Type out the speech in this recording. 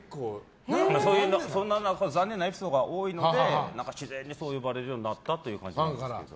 そういう残念なエピソードが多いので自然にそう呼ばれるようになったというか。